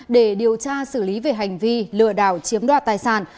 để điều tra xử lý về hành vi lừa đảo chiếm đoạt tài sản